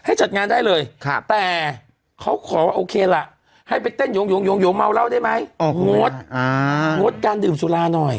ให้จัดงานได้เลยแต่เขาขอว่าโอเคละให้ไปเต้นโยงโยงโยงเงาได้มั้ย